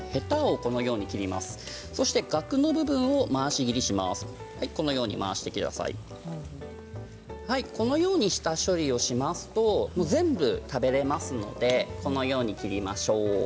このように下処理をしますと全部食べられますのでこのように切りましょう。